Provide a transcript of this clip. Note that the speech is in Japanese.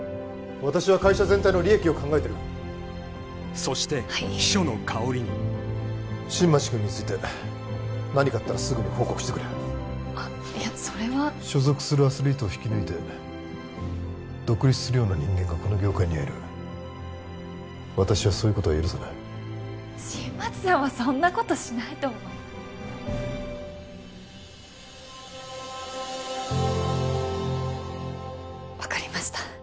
私は会社全体の利益を考えてるそして秘書のかほりに新町君について何かあったらすぐに報告してくれあっいやそれは所属するアスリートを引き抜いて独立するような人間がこの業界にはいる私はそういうことは許さない新町さんはそんなことしないと分かりました